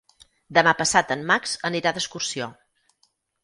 Demà passat en Max anirà d'excursió.